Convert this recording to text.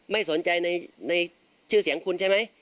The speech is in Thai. ไม่สนใจในชื่อเสียงคุณใช่ไหม